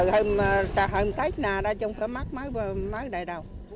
hôm tết nào đã chung khởi mắt mấy đại đạo